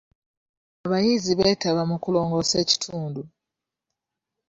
Abayizi beetaba mu kulongoosa ekitundu.